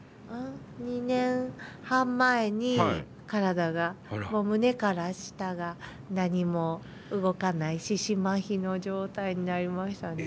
２年半前に体が、胸から下が何も動かない四肢麻痺の状態になりましたね。